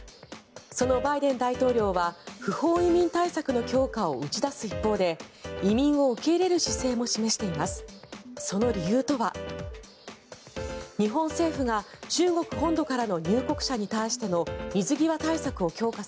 そのバイデン大統領は不法移民対策の強化を打ち出す一方で移民を受け入れる姿勢も示しています。